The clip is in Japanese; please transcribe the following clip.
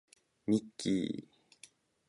ミッキー